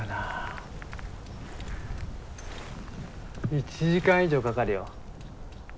１時間以上かかる。